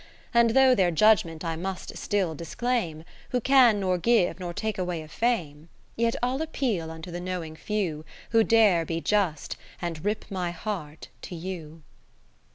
And though their judgement I must still disclaim, Who can nor give nor take away a fame : Yet I'll appeal unto the knowing few, Who dare be just, and rip my heart to you.